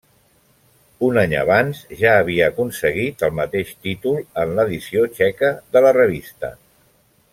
Un any abans ja havia aconseguit el mateix títol en l'edició txeca de la revista.